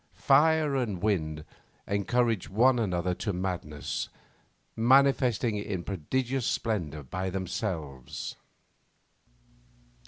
Fire and wind encouraged one another to madness, manifesting in prodigious splendour by themselves.